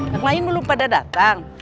yang lain belum pada datang